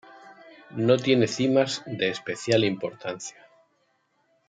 No tiene cimas de especial importancia.